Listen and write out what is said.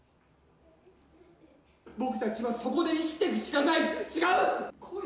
僕たちはそこで生きていくしかない、違う？